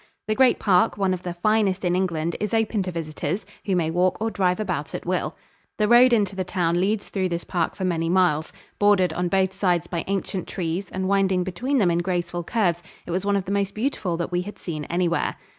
The great park, one of the finest in England, is open to visitors, who may walk or drive about at will. The road into the town leads through this park for many miles. Bordered on both sides by ancient trees and winding between them in graceful curves, it was one of the most beautiful that we had seen anywhere.